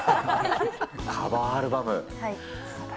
カバーアルバム。